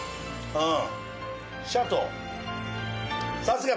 うん！